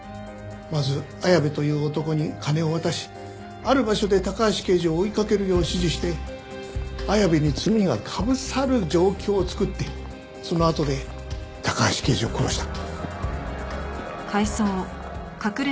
まず綾部という男に金を渡しある場所で高橋刑事を追いかけるよう指示して綾部に罪がかぶさる状況を作ってそのあとで高橋刑事を殺した。